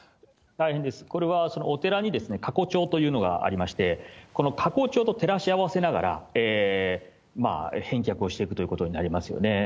これは、お寺にというのがありまして、このかこちょうと照らし合わせながら、返却をしていくということになりますよね。